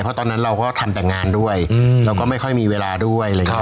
เพราะตอนนั้นเราก็ทำแต่งานด้วยเราก็ไม่ค่อยมีเวลาด้วยอะไรอย่างนี้